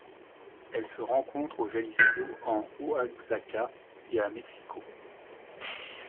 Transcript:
Elle se rencontre au Jalisco, en Oaxaca et à Mexico.